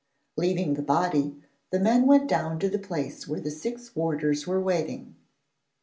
Leaving the body, the men went down to the place where the six warders were waiting.